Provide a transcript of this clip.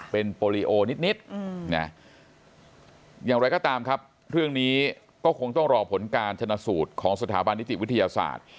เป็นโปรลีโอนิดนะอย่างไรก็ตามครับเรื่องนี้ก็คงต้องรอผลการชนะสูตรของสถาบันนิติวิทยาศาสตร์